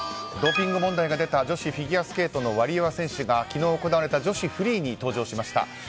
ドーピング問題が出た女子フィギュアスケートのワリエワ選手が昨日行われた女子フリーに登場しました。